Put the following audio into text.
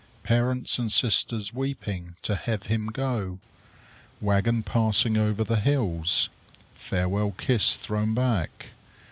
Parents and sisters weeping to have him go. Wagon passing over the hills. Farewell kiss thrown back.